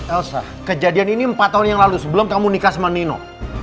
elsa kejadian ini empat tahun yang lalu sebelum kamu nikah sama nino